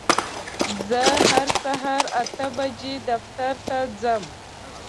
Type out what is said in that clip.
زه هر سهار اته بجې دفتر ته ځم.